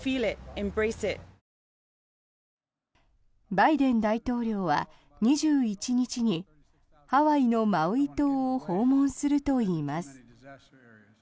バイデン大統領は２１日にハワイのマウイ島を訪問するといいます。